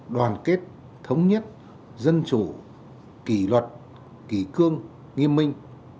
đoàn kết thống nhất dân chủ kỷ luật kỳ cương nghiêm minh